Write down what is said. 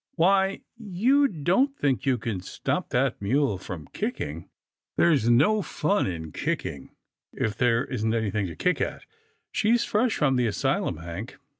" Why — you don't think you can stop that mule from kicking? "" There's no fun in kicking if there isn't any thing to kick at. She's fresh from the asylum. Hank."